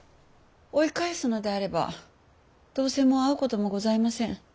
追い返すのであればどうせもう会うこともございません。